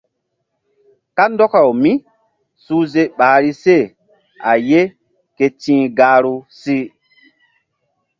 Kandɔkaw mísuhze ɓahri se a ye ke ti̧h gahru si.